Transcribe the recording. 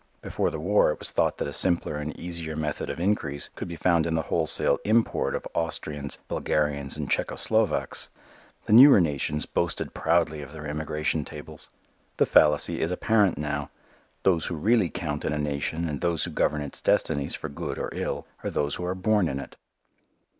Before the war it was thought that a simpler and easier method of increase could be found in the wholesale import of Austrians, Bulgarians and Czecho Slovaks. The newer nations boasted proudly of their immigration tables. The fallacy is apparent now. Those who really count in a nation and those who govern its destinies for good or ill are those who are born in it.